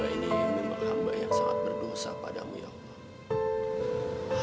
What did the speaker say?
ini memang hamba yang sangat berdosa padamu ya allah